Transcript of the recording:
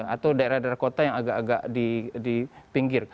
atau daerah daerah kota yang agak agak di pinggir